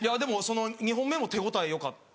２本目も手応え良かって。